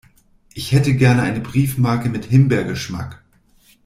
Ich hätte gern eine Briefmarke mit Himbeergeschmack.